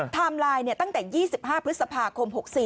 ไลน์ตั้งแต่๒๕พฤษภาคม๖๔